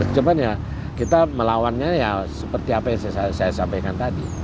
cuman ya kita melawannya ya seperti apa yang saya sampaikan tadi